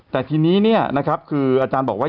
แต่ทีนี้เนี่ยนะครับคืออาจารย์บอกว่า